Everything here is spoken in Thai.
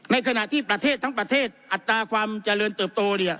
ในขณะที่ประเทศทั้งประเทศอัตราความเจริญเติบโต